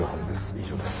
以上です。